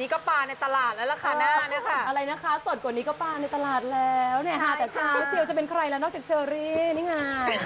พี่เป๊กกี้สดกว่านี้ก็ปลาในตลาดแล้วนะคะหน้านะคะ